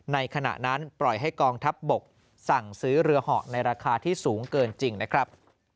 ขณะนั้นปล่อยให้กองทัพบกสั่งซื้อเรือเหาะในราคาที่สูงเกินจริงนะครับ